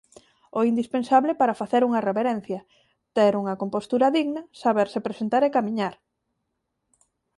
O indispensable para facer unha reverencia, ter unha compostura digna, saberse presentar e camiñar.